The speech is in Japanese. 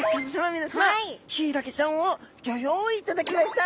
皆さまヒイラギちゃんをギョ用意いただきました！